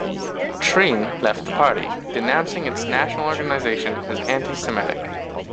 Treen left the party, denouncing its national organization as anti-Semitic.